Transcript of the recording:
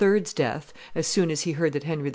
's death, as soon as he heard that Henry IV.